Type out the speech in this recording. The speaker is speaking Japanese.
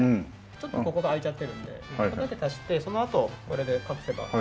ちょっとここが空いちゃってるのでここだけ足してそのあとこれで隠せば。